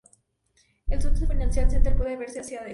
El Southeast Financial Center puede verse hasta desde Ft.